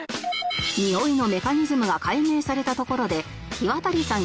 匂いのメカニズムが解明されたところでひわたりさん